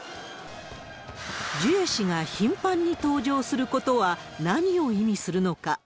ジュエ氏が頻繁に登場することは、何を意味するのか。